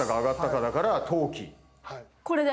これで。